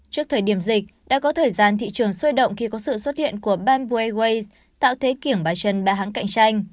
trước thời điểm dịch đã có thời gian thị trường sôi động khi có sự xuất hiện của bamboo airways tạo thế kiểng bà trần ba hãng cạnh tranh